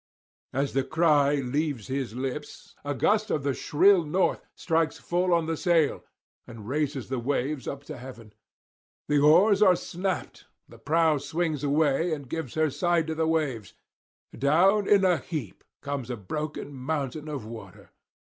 As the cry leaves his lips, a gust of the shrill north strikes full on the sail and raises the waves up to heaven. The oars are snapped; the prow swings away and gives her side to the waves; down in a heap comes a broken mountain of water.